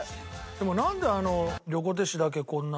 でもなんであの横手市だけこんな。